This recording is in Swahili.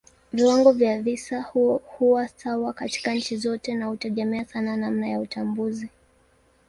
Viwango vya visa huwa sawa katika nchi zote na hutegemea sana namna ya utambuzi.